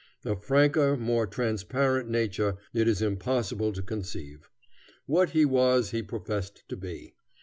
A franker, more transparent nature, it is impossible to conceive. What he was he professed to be.